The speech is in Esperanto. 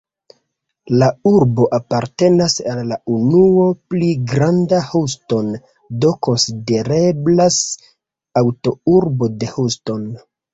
La urbo apartenas al la unuo "Pli granda Houston", do konsidereblas antaŭurbo de Houston.